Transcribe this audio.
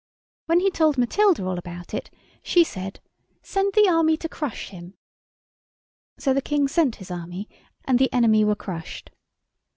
When he told Matilda all about it, she said, "Send the Army to crush him." So the King sent his Army, and the enemy were crushed.